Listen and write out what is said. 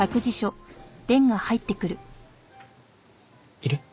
いる？